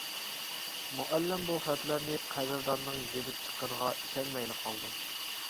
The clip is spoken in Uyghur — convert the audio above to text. مۇئەللىم بۇ خەتلەرنى قەدىرداننىڭ يېزىپ چىققىنىغا ئىشەنمەيلا قالدى.